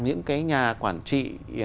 những cái nhà quản trị